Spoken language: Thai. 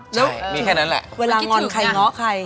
ใช่มีแค่นั้นแหละมันคิดถึงอย่างนั้นเวลางอนใครง้อใคร